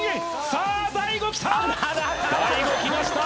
さあ大悟きた！